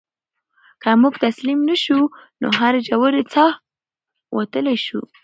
که موږ تسلیم نه شو نو له هرې ژورې څاه وتلی شو.